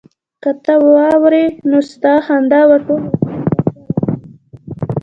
که ته واورې نو ستا خندا به ټول روغتون په سر واخلي